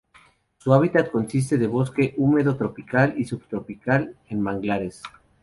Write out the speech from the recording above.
Su hábitat consiste de bosque húmedo tropical y subtropical y manglares.